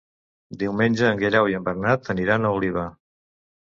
Diumenge en Guerau i en Bernat aniran a Oliva.